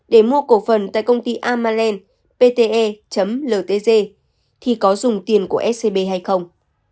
để mua cổ phần tại công ty amalland pte ltg thì có dùng tiền của scb hay không